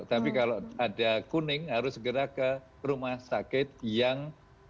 tapi kalau ada kuning harus segera ke rumah sakit yang